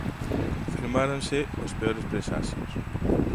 Confirmáronse os peores presaxios.